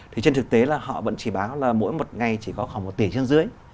thì trên thực tế là họ vẫn chỉ báo là mỗi một ngày chỉ có khoảng một tỷ trên dưới